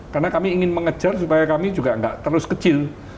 karena kami ingin mengejar supaya kami juga nggak terus kecil